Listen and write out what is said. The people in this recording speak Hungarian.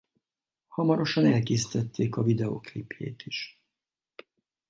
Hamarosan elkészítették a videóklipjét is.